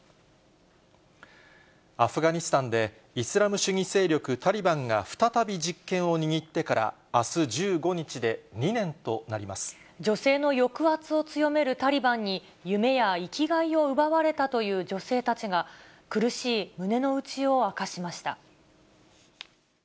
アフガニスタンで、イスラム主義勢力タリバンが再び実権を握ってから、あす１５日で女性の抑圧を強めるタリバンに、夢や生きがいを奪われたという女性たちが、苦しい胸の内を明かしました。